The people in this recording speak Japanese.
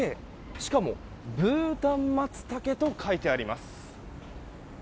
しかもブータンマツタケと書いてあります。